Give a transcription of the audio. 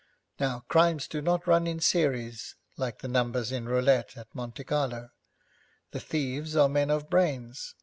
Now crimes do not run in series, like the numbers in roulette at Monte Carlo. The thieves are men of brains.